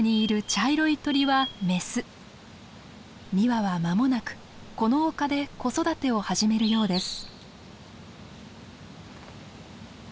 ２羽は間もなくこの丘で子育てを始めるようです。